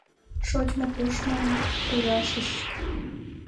Шочмо-кушмо пыжашышт?